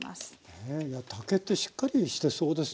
ねえいや竹ってしっかりしてそうですね。